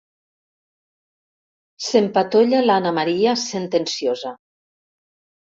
S'empatolla l'Anna Maria, sentenciosa.